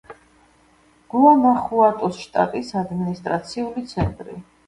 გუანახუატოს შტატის ადმინისტრაციული ცენტრი.